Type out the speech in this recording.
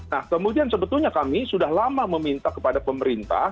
nah kemudian sebetulnya kami sudah lama meminta kepada pemerintah